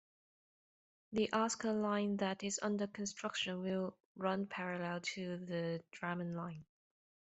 The Asker Line that is under construction will run parallel to the Drammen Line.